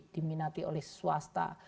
diminati oleh swasta